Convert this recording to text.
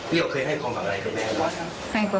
พี่ก็เคยให้ความบังอะไรกับแม่หรือเปล่า